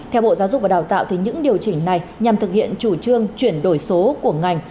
theo bộ giáo dục và đào tạo những điều chỉnh này nhằm thực hiện chủ trương chuyển đổi số của ngành